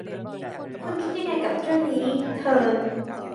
คุณคิดยังไงกับเรื่องนี้ เทิร์น